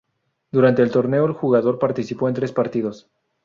Durante el torneo el jugador participó en tres partidos.